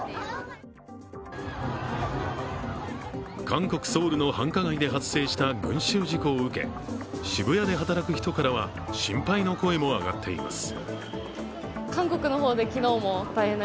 韓国・ソウルの繁華街で発生した群集事故を受け渋谷で働く人からは、心配の声も上がっています。